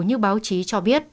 như báo chí cho biết